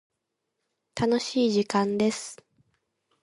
楽しい時間です。